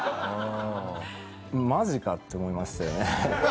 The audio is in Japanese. マジか！？って思いましたよね。